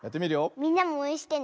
みんなもおうえんしてね。